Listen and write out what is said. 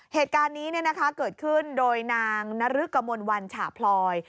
เหตุการณ์นี้เกิดขึ้นโดยนางนรึกกมลวันฉะพลอย